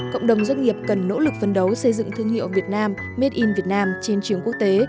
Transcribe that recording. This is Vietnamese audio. cộng đồng doanh nghiệp cần nỗ lực phấn đấu xây dựng thương hiệu việt nam made in việt nam trên trường quốc tế